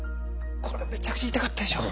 これめちゃくちゃ痛かったでしょう。